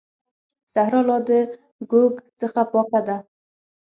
صحرا لا د ږوږ څخه پاکه ده.